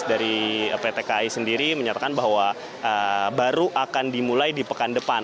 menurut petugas dari ptki sendiri menyatakan bahwa baru akan dimulai di pekan depan